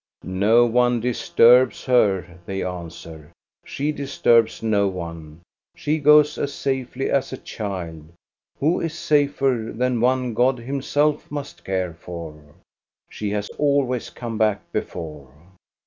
"No one disturbs her," they answer; "she dis turbs no one. She goes as safely as a child. Who is safer than one God himself must care for t She has always come back before."